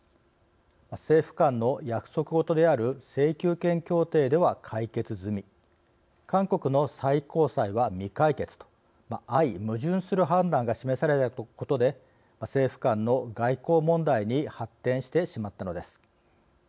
政府間の約束事である請求権協定では解決済み韓国の最高裁は未解決と相矛盾する判断が示されたことで政府間の外交問題に発展してしまったのです。